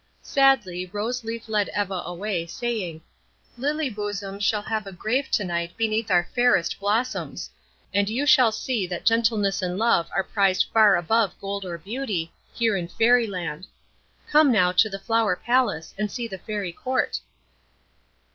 Sadly Rose Leaf led Eva away, saying, "Lily Bosom shall have a grave tonight beneath our fairest blossoms, and you shall see that gentleness and love are prized far above gold or beauty, here in Fairy Land. Come now to the Flower Palace, and see the Fairy Court."